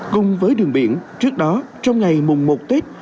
cùng với đường biển trước đó trong ngày mùng một tết